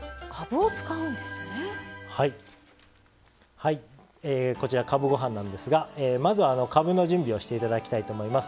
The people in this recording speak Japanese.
はいこちらかぶご飯なんですがまずかぶの準備をして頂きたいと思います。